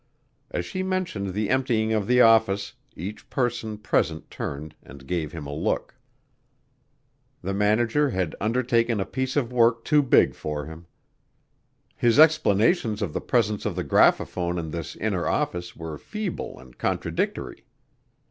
As she mentioned the emptying of the office, each person present turned and gave him a look. The manager had undertaken a piece of work too big for him. His explanations of the presence of the graphophone in this inner office were feeble and contradictory.